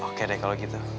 oke deh kalau gitu